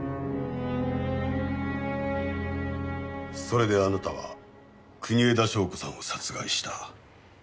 それであなたは国枝祥子さんを殺害した。